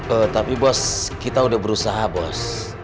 eh tapi bos kita udah berusaha bos